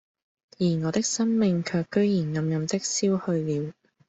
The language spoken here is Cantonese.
而我的生命卻居然暗暗的消去了，